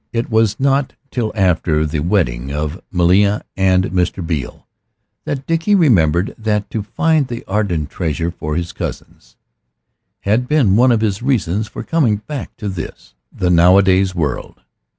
It was not till after the wedding of 'Melia and Mr. Beale that Dickie remembered that to find the Arden Treasure for his cousins had been one of his reasons for coming back to this, the Nowadays world.